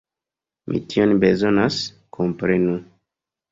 Mi tion bezonas, komprenu.